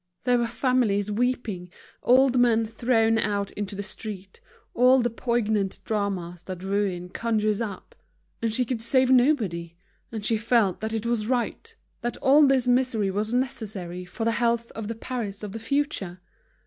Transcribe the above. There were families weeping, old men thrown out into the street, all the poignant dramas that ruin conjures up. And she could save nobody; and she felt that it was right, that all this misery was necessary for the health of the Paris of the future.